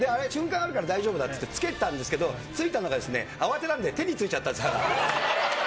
あれ、瞬間あるから大丈夫だっていって、つけたんですけど、ついたのが慌てたので、手についてたんですよ。